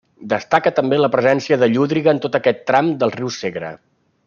Destaca també la presència de llúdriga en tot aquest tram del riu Segre.